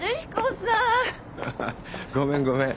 ごめんごめん。